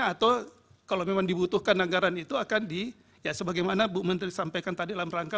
atau kalau memang dibutuhkan anggaran itu akan di ya sebagaimana bu menteri sampaikan tadi dalam rangka